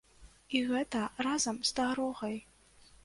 І гэта разам з дарогай!